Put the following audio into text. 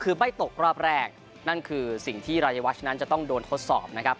คือไม่ตกรอบแรกนั่นคือสิ่งที่รายวัชนั้นจะต้องโดนทดสอบนะครับ